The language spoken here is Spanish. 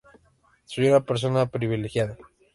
Soy una persona privilegiada".